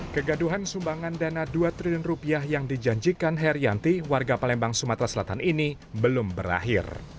kegaduhan sumbangan dana dua triliun rupiah yang dijanjikan herianti warga palembang sumatera selatan ini belum berakhir